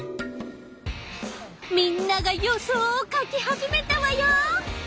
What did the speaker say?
みんなが予想を書き始めたわよ！